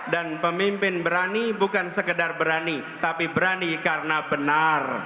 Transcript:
dan pemimpin berani bukan sekedar berani tapi berani karena benar